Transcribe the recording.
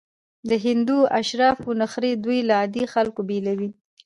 د هندو اشرافو نخرې دوی له عادي خلکو بېلول.